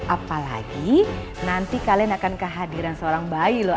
apalagi nanti kalian akan kehadiran seorang bayi loh